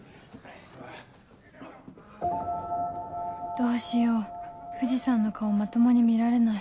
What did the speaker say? どうしよう藤さんの顔まともに見られない